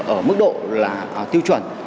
ở mức độ tiêu chuẩn